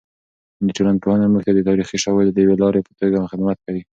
د ټولنپوهنه موږ ته د تاریخي شواهدو د یوې لارې په توګه خدمت کوي.